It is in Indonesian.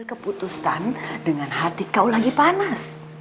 keputusan dengan hati kau lagi panas